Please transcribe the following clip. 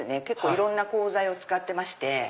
いろんな鋼材を使ってまして。